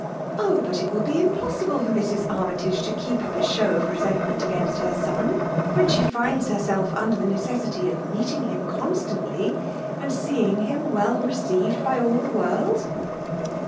" Oh ! but it will be impossible for Mrs. Armytage to keep up a show of resentment against her son, when she finds herself und<^t the necessity of meeting him constantly, and seeing him well received by all the world